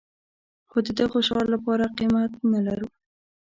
خو د دغه شعار لپاره قيمت نه لرو.